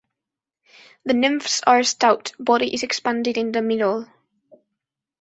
The nymphs are stout, body is expanded in the middle.